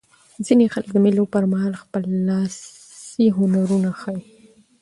ځیني خلک د مېلو پر مهال خپل لاسي هنرونه ښيي.